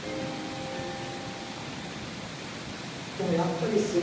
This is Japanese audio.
でもやっぱりすごい人だった。